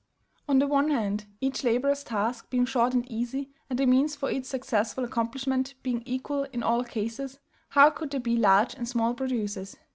On the one hand, each laborer's task being short and easy, and the means for its successful accomplishment being equal in all cases, how could there be large and small producers?